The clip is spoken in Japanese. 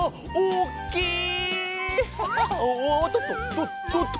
おっとっと！